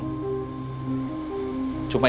cuma ikut cari makan